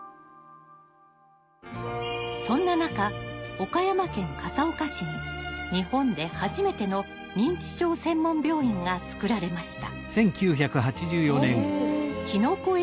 そんな中岡山県笠岡市に日本で初めての認知症専門病院がつくられました。